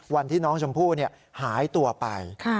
วันที่น้องชมพู่หายตัวไป